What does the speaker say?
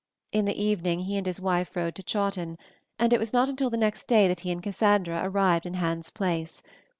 In the evening he and his wife rode to Chawton, and it was not until the next day that he and Cassandra arrived in Hans Place.